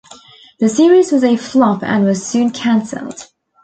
The series was a flop and was soon cancelled.